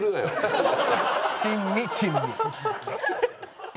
珍味珍味。